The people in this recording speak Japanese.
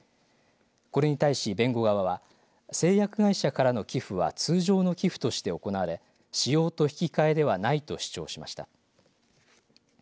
これに対し弁護側は製薬会社からの寄付は通常の寄付として行われ使用と引き換えではないと主張しました。